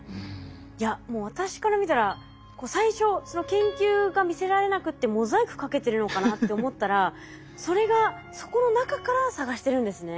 いやもう私から見たら最初その研究が見せられなくてモザイクかけてるのかなって思ったらそれがそこの中から探してるんですね。